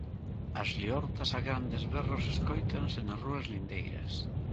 As liortas a grandes berros escóitanse nas rúas lindeiras.